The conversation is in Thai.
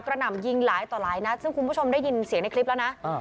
หน่ำยิงหลายต่อหลายนัดซึ่งคุณผู้ชมได้ยินเสียงในคลิปแล้วนะ